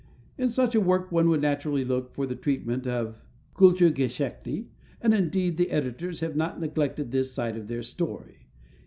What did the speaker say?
In such a work one would naturally look for the treatment of Culturgeschichte, and indeed the editors have not neglected this side of their story.